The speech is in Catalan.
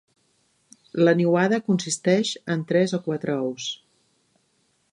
La niuada consisteix en tres o quatre ous.